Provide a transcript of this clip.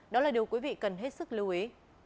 đó là điều quý vị cần hết sức lưu ý